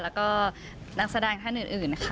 แล้วก็นักแสดงท่านอื่นนะคะ